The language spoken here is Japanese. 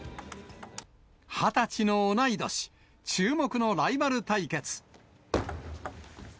２０歳の同い年、注目のライバル対決。